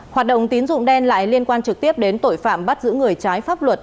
hoạt động tín dụng đen lại liên quan trực tiếp đến tội phạm bắt giữ người trái pháp luật